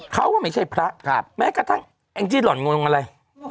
เขาก็ไม่ใช่พระแม้กระทั่งแองจี้หล่อนงงอะไร